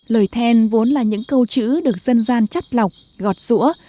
lời then vốn là những câu chữ được dân gian chắt lọc gọt rũa